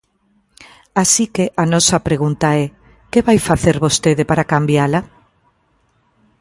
Así que a nosa pregunta é: ¿que vai facer vostede para cambiala?